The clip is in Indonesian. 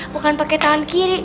bukan pakai tangan kiri